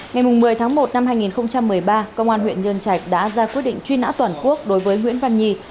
ngày một mươi tháng một năm hai nghìn một mươi ba công an huyện nhân trạch đã ra quyết định truy nã toàn quốc đối với nguyễn văn nhi